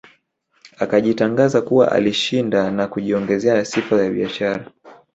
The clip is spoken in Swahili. Akajitangaza kuwa alishinda na kujiongezea sifa ya biashara